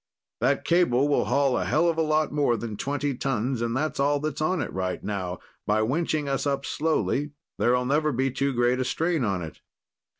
"That cable will haul a hell of a lot more than twenty tons, and that's all that's on it right now. By winching us up slowly, there'll never be too great a strain on it."